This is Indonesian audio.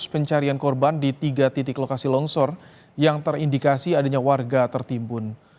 pencarian korban di tiga titik lokasi longsor yang terindikasi adanya warga tertimbun